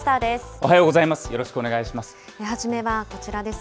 おはようございます。